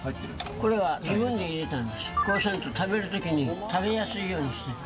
こうすると食べる時に食べやすいようにして。